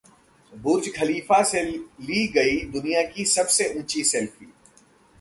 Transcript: बुर्ज Khalifa से ली गई दुनिया की सबसे ऊंची सेल्फी